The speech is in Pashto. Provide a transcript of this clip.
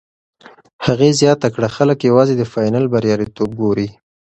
هغې زیاته کړه، خلک یوازې د فاینل بریالیتوب ګوري.